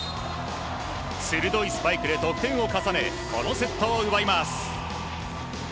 鋭いスパイクで得点を重ねこのセットを奪います。